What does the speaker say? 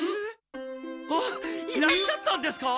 あっいらっしゃったんですか？